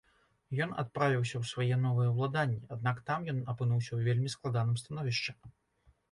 Ён адправіўся ў свае новыя ўладанні, аднак там ён апынуўся ў вельмі складаным становішчы.